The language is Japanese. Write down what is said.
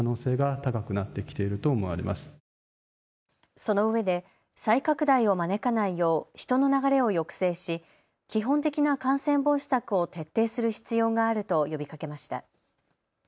そのうえで再拡大を招かないよう人の流れを抑制し基本的な感染防止策を徹底する必要があると呼びかけました。